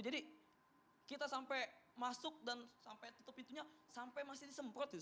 jadi kita sampai masuk dan sampai tutup pintunya sampai masih disemprot gitu